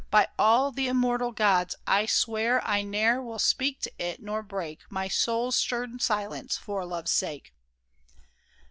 By all the immortal gods, I swear I ne'er will speak to it, nor break My soul's stern silence for Love's sake